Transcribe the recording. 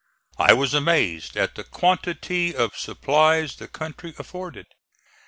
I was amazed at the quantity of supplies the country afforded.